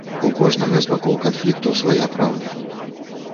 У кожнага з бакоў канфлікту свая праўда.